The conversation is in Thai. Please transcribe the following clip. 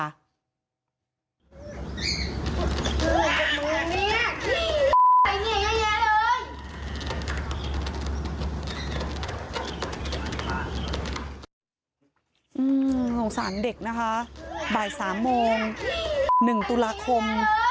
สงสารเด็กนะคะบ่าย๓โมง๑ตุลาคม